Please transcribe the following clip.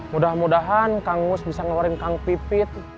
mudah mudahan kang gus bisa ngeluarin kang pipit